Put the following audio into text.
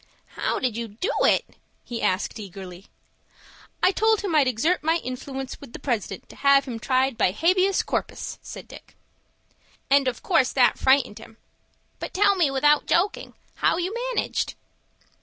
"How did you do it?" he asked eagerly. "I told him I'd exert my influence with the president to have him tried by habeas corpus," said Dick. "And of course that frightened him. But tell me, without joking, how you managed."